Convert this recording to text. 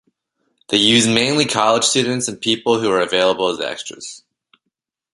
They used mainly college students and people who were available as extras.